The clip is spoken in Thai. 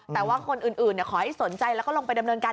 แต่ว่าคนอื่นขอให้สนใจแล้วก็ลงไปดำเนินการ